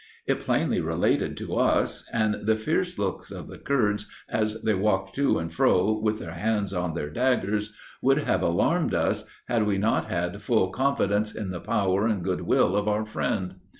It plainly related to us, and the fierce looks of the Kurds, as they walked to and fro with their hands on their daggers, would have alarmed us, had we not had full confidence in the power and good will of our friend.